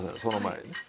その前に。